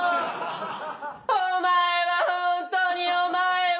お前はホントにお前は！